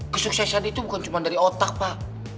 kesuksesan itu bukan cuma dari otak pak